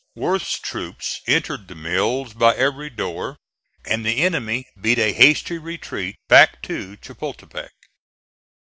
Worth's troops entered the Mills by every door, and the enemy beat a hasty retreat back to Chapultepec.